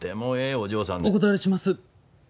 お断りします。